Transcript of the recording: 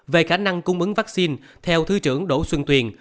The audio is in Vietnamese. về khả năng cung ứng vaccine theo thứ trưởng đỗ xuân tuyền